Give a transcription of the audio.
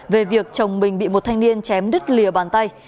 về việc chồng mình bị một thanh niên chém đứt lìa bàn tay